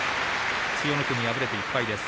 千代の国敗れて１敗です。